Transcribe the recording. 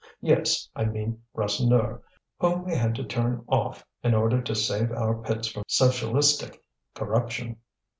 Yes, I mean Rasseneur, whom we had to turn off in order to save our pits from socialistic corruption.